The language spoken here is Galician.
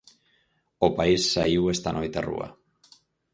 O país saíu esta noite á rúa.